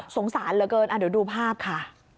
สารเหลือเกินเดี๋ยวดูภาพค่ะ